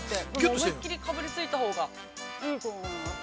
◆思い切りかぶりついたほうがいいと思います。